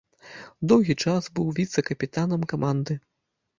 Доўгі час быў віцэ-капітанам каманды.